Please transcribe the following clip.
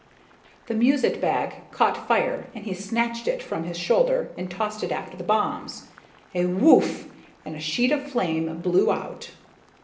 The musette bag caught fire and he snatched it from his shoulder and tossed it after the bombs. A whoof and a sheet of flame blew out.